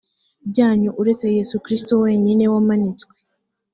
byanyu uretse yesu kristoh wenyine wamanitswe